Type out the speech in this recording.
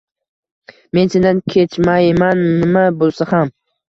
Men sendan kechmaiman nima bulsa xam